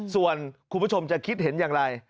ส่วนคุณผู้ชมจะคิดเห็นอย่างไร